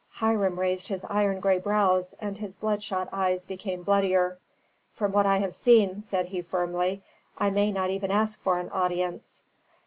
Hiram raised his iron gray brows, and his bloodshot eyes became bloodier. "From what I have seen," said he firmly, "I may even not ask for an audience."